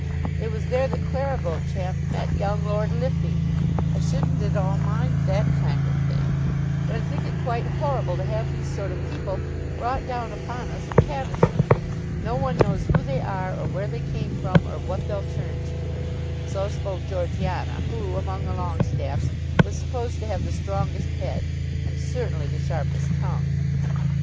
It was there that Clara Beauchamp met young Lord Liffey. I shouldn't at all mind that kind of thing, but I think it quite horrible to have these sort of people brought down upon us at Caversham. No one knows who they are, or where they came from, or what they'll turn to." So spoke Georgiana, who among the Longestaffes was supposed to have the strongest head, and certainly the sharpest tongue.